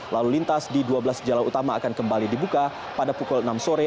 lalu lintas di dua belas jalan utama akan kembali dibuka pada pukul enam sore